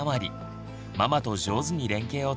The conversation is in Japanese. ママと上手に連携を取り